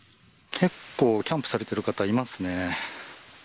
結構、キャンプされてる方い